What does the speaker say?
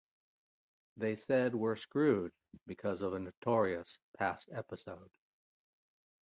They said we're screwed because of a notorious past episode.